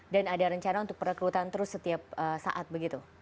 dan ada rencana untuk perekrutan terus setiap saat begitu